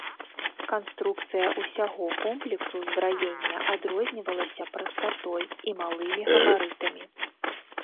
Канструкцыя ўсяго комплексу ўзбраення адрознівалася прастатой і малымі габарытамі.